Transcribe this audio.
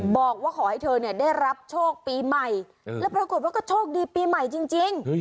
บอกว่าขอให้เธอเนี่ยได้รับโชคปีใหม่แล้วปรากฏว่าก็โชคดีปีใหม่จริง